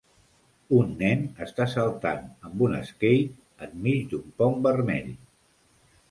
Un nen està saltant amb un skate enmig d'un pont vermell.